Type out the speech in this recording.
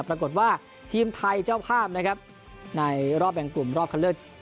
ปรากฏว่าทีมไทยเจ้าภาพนะครับในรอบแบ่งกลุ่มรอบคันเลือก